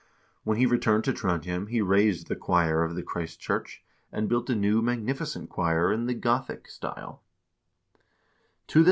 2 When he returned to Trondhjem, he razed the choir of the Christ church, and built a new magnificent choir in the Gothic 1 Sverressaga, ch.